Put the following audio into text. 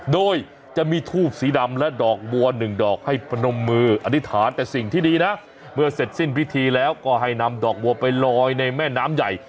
โดยจะมีทูบสีดำและดอกบัวหนึ่งดอกให้พนมมืออธิษฐานแต่สิ่งที่ดีนะเมื่อเสร็จสิ้นพิธีแล้วก็ให้นำดอกบัวไปลอยในแม่น้ำใหญ่